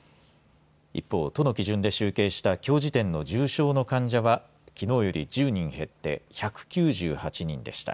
一方、都の基準で集計したきょう時点の重症の患者はきのうより１０人減って１９８人でした。